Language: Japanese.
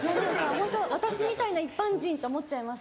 ホント「私みたいな一般人」と思っちゃいます。